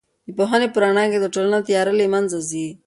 د پوهنې په رڼا کې د ټولنې تیاره له منځه ځي.